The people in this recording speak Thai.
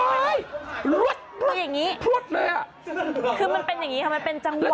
โอ๊ยรวดรวดรวดเลยอ่ะคือมันเป็นอย่างนี้มันเป็นจังหวาน